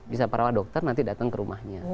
bisa parah parah dokter nanti datang ke rumahnya